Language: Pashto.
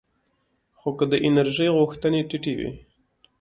خو که د انرژۍ غوښتنې ټیټې وي